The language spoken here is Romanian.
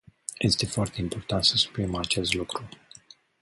Este foarte important să subliniem acest lucru.